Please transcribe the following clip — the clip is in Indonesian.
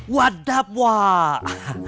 what up wak